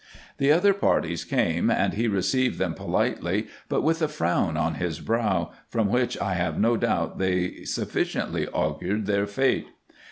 The other parties came, and he received them politely, but with a frown on his brow, from which I have no doubt they sufficiently augured their fate.